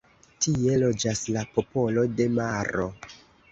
Tie loĝas la popolo de maro.